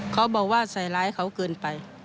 เขาบอกว่าใส่ร้ายเขาเกินไป